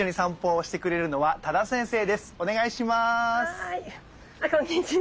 はいこんにちは。